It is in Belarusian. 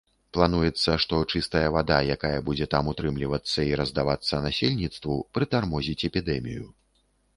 Плануецца, што чыстая вада, якая будзе там утрымлівацца і раздавацца насельніцтву, прытармозіць эпідэмію.